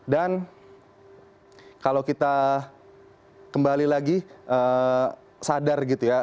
dan kalau kita kembali lagi sadar gitu ya